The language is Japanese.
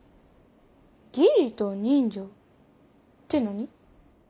義理と人情って何？